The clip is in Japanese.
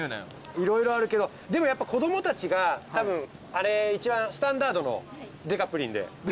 色々あるけどでもやっぱ子供たちがたぶんあれ一番スタンダードのでかプリンで。